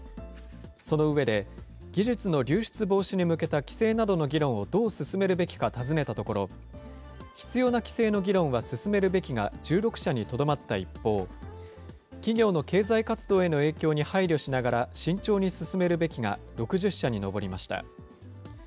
その上で、技術の流出防止に向けた規制などの議論をどう進めるべきか尋ねたところ、必要な規制の議論は進めるべきが１６社にとどまった一方、企業の経済活動への影響に配慮しながら慎重に進めるべきが６０社に上りました。